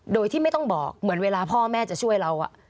โดยที่ไม่ต้องบอกเหมือนเวลาพ่อแม่จะช่วยเรา